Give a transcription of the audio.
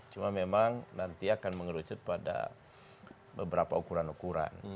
cuma memang nanti akan mengerucut pada beberapa ukuran ukuran